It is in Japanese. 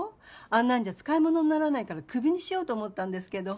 あんなんじゃ使いものにならないからクビにしようと思ったんですけど。